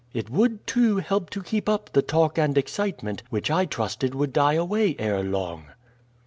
It would, too, help to keep up the talk and excitement, which I trusted would die away ere long."